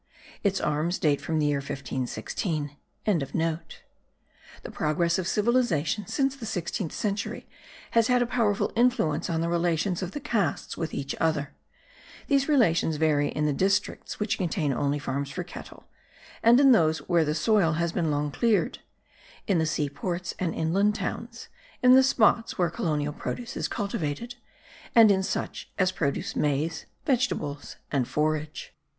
Its arms date from the year 1516.) The progress of civilization since the sixteenth century has had a powerful influence on the relations of the castes with each other; these relations vary in the districts which contain only farms for cattle, and in those where the soil has been long cleared; in the sea ports and inland towns, in the spots where colonial produce is cultivated, and in such as produce maize, vegetables and forage.